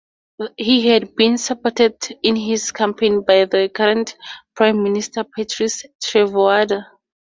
He had been supported in his campaign by then current Prime Minister Patrice Trovoada.